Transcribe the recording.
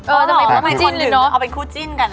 เออหรอทุกคนหนึ่งเอาเป็นคู่จิ้นกันนะ